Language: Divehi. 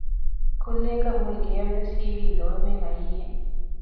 ކުއްލިއަކަށް މުޅި ގެޔަށްވެސް ހީވީ ލޮޅުމެއް އައީހެން